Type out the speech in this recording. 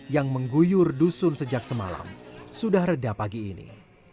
yang mengguyur dusun sejak semalam sudah reda pagi ini